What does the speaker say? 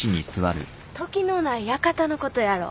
「時間のない館」のことやろ。